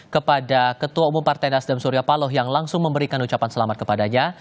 kepada ketua umum partai nasdem surya paloh yang langsung memberikan ucapan selamat kepadanya